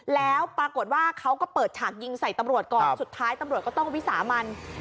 แล้วปรากฏว่าเขาก็เปิดฉากยิงใส่ตำรวจก่อนสุดท้ายตำรวจก็ต้องวิสามัน